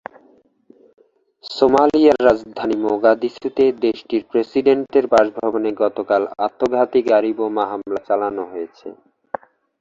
সোমালিয়ার রাজধানী মোগাদিসুতে দেশটির প্রেসিডেন্টের বাসভবনে গতকাল আত্মঘাতী গাড়িবোমা হামলা চালানো হয়েছে।